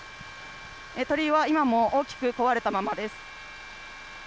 鳥居は今も大きく壊れたままです。